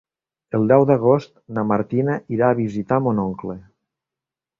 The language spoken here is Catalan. El deu d'agost na Martina irà a visitar mon oncle.